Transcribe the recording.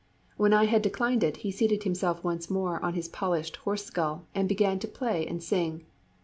When I had declined it, he seated himself once more on his polished horse skull and began to play and sing.